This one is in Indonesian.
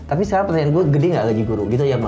tapi sekarang pertanyaan gue gede nggak lagi guru gitu ya